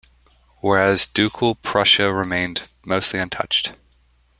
Whereas Ducal Prussia remained mostly untouched.